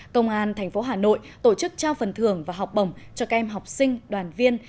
công an thành phố hà nội tổ chức trao phần thưởng và học bổng cho các em học sinh đoàn viên